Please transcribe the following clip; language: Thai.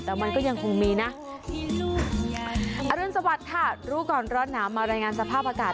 แต่มันก็ยังคงมีนะอรุณสวัสดิ์ค่ะรู้ก่อนร้อนหนาวมารายงานสภาพอากาศ